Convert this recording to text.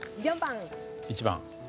１番。